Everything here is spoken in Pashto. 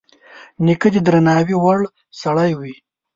نیکه د درناوي وړ سړی وي.